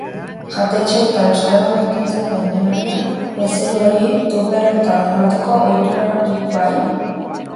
Jatetxeetan soberan gelditzen den janaria bezeroei tuperretan emateko ohiturarik bai?